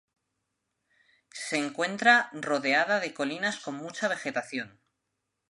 Se encuentra rodeada de colinas con mucha vegetación.